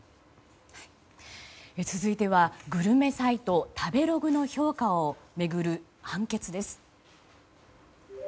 続いては、グルメサイト食べログの評価を巡る判決です。